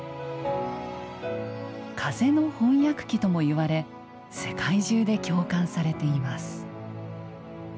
「風の翻訳機」ともいわれ世界中で共感されています。